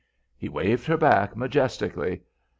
He waved her back majestically.